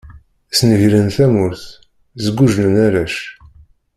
Snegren tamurt, sguǧlen arrac.